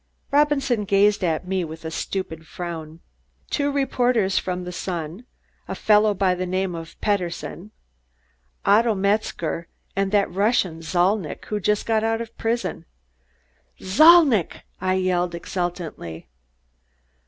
Robinson gazed at me with a stupid frown. "Two reporters from The Sun, a fellow by the name of Pederson, Otto Metzger and that Russian, Zalnitch, who just got out of prison." "Zalnitch!" I yelled exultantly.